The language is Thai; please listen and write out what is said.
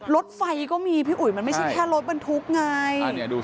รถไฟก็มีพี่อุ๋ยมันไม่ใช่แค่รถบรรทุกไง